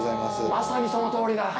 まさにそのとおりだ！